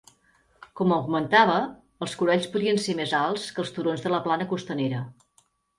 Com augmentava, els coralls podien ser més alts que els turons de la plana costanera.